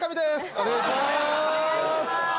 お願いします。